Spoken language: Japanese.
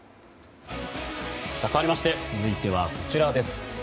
かわりまして続いてはこちらです。